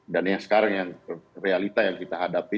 dan yang sekarang realita yang kita hadapi